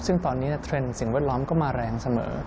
ซึ่งตอนนี้เทรนด์สิ่งแวดล้อมก็มาแรงเสมอ